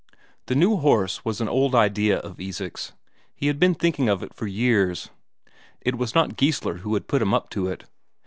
The new horse was an old idea of Isak's, he had been thinking of it for years; it was not Geissler who had put him up to it.